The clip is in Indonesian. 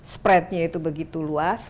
spreadnya itu begitu luas